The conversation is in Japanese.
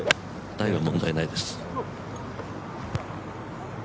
ライは問題ないです。